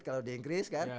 kalau di inggris kan